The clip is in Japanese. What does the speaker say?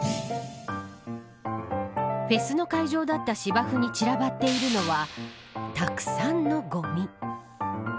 フェスの会場だった芝生に散らばっているのはたくさんのごみ。